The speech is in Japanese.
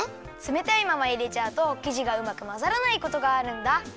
つめたいままいれちゃうときじがうまくまざらないことがあるんだ。